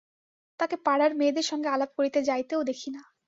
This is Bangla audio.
তাকে পাড়ার মেয়েদের সঙ্গে আলাপ করিতে যাইতেও দেখি না।